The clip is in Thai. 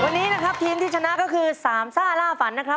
วันนี้ตีมที่ชนะก็คือสามซ่าล่าฝันนะครับ